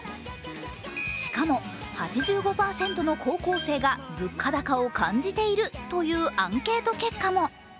しかも、８５％の高校生が物価高を感じているというアンケート結果も。